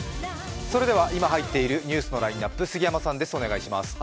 それでは、今入っているニュースのラインナップ、杉山さんです、お願いします。